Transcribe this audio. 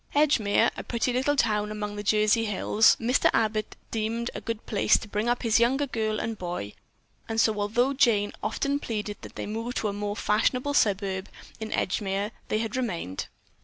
Edgemere, a pretty little town among the Jersey hills, Mr. Abbott deemed a good place to bring up his younger girl and boy, and so, although Jane often pleaded that they move to a more fashionable suburb, in Edgemere they had remained.